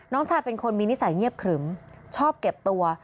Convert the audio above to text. น้องชายเป็นคนมีนิสัยเงียบขรึมชอบเก็บตัว